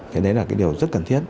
thế đấy là điều rất cần thiết